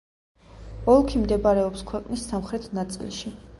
ოლქი მდებარეობს ქვეყნის სამხრეთ ნაწილში.